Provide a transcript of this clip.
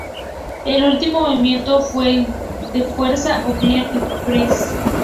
El último movimiento fue el de fuerza o "clean y press".